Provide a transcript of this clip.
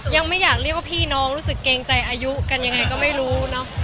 ยังไม่อยากเรียกว่าพี่น้องกลงใจอายุกันยังไงก็ไม่รู้